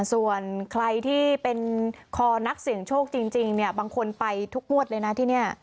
ส่วนใครที่เป็นคอนักเสี่ยงโชคจริงเนี่ยบางคนไปทุกงวดเลยนะที่นี่